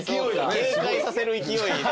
警戒させる勢いで。